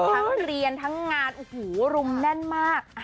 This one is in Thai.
ทั้งเรียนทั้งงานโอ้โหรุมแน่นมาก